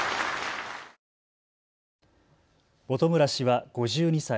本村氏は５２歳。